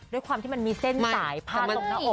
ด้วยความที่มันมีเส้นสายพันลงระอกเลย